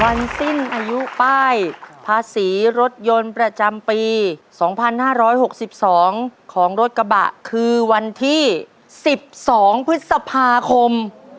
วันสิ้นอายุป้ายภาษีรถยนต์ประจำปีสองพันห้าร้อยหกสิบสองของรถกระบะคือวันที่สิบสองพฤษภาคม